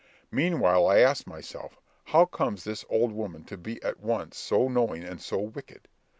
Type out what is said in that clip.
Meanwhile, I asked myself, how comes this old woman to be at once so knowing and so wicked?